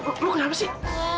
eh lo kenapa sih